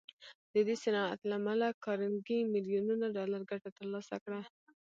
د دې صنعت له امله کارنګي ميليونونه ډالر ګټه تر لاسه کړه.